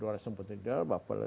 dua ratus tempat tidur